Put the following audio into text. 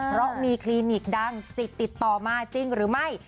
เพราะมีคลินิกดังติดติดต่อมาจริงหรือไม่